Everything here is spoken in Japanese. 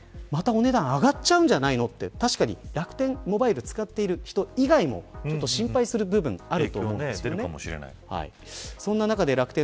再びまたお値段が上がっちゃうんじゃないのって確かに楽天モバイルを使っている人以外も心配する部分があると思うんです。